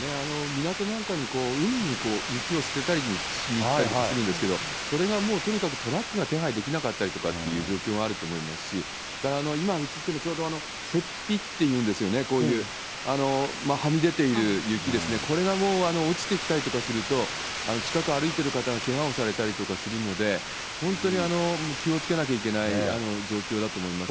港なんかに、海に雪を捨てたりしに行ったりとかするんですけど、それがもうとにかくトラックが手配できなかったりとかっていう状況があると思いますし、それから今映ってる、せっぴっていうんですよね、こういう、はみ出ている雪ですね、これがもう落ちてきたりとかすると、近くを歩いている方がけがをされたりとかするので、本当に気をつけなきゃいけない状況だと思いますね。